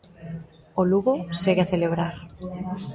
O Lugo segue a celebrar.